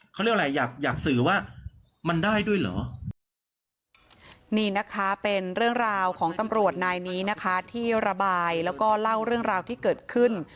เขาเรียกอะไรอยากอยากสื่อว่ามันได้ด้วยเหรอนี่นะคะเป็นเรื่องราวของตำรวจนายนี้นะคะที่ระบายแล้วก็เล่าเรื่องราวที่เกิดขึ้น